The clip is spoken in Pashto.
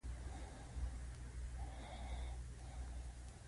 خدای ته يې دعا وکړه.